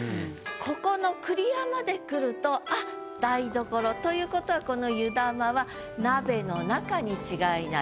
ここの「厨」までくるとあっ台所という事はこの湯玉は鍋の中に違いないと。